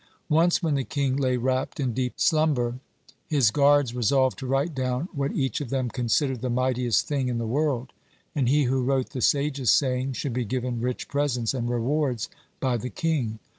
(23) Once when the king lay wrapped in deep slumber, his guards resolved to write down what each of them considered the mightiest thing in the world, and he who wrote the sagest saying should be given rich presents and rewards by the king.